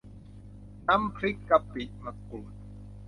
น้ำพริกกะปิมะกรูด